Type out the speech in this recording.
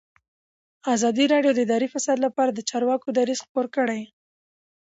ازادي راډیو د اداري فساد لپاره د چارواکو دریځ خپور کړی.